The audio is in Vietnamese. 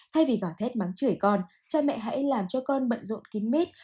thay vì gỏ thét bắn chửi con cha mẹ hãy làm cho con bận rộn kín mít